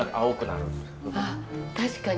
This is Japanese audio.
あっ確かに。